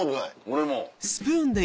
俺も。